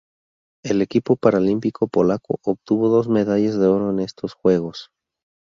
El equipo paralímpico polaco obtuvo dos medallas de oro en estos Juegos.